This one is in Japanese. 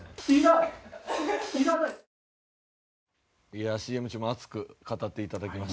いやＣＭ中も熱く語っていただきました。